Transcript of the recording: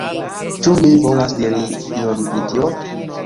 Ĉu ni volas diri ion pri tio?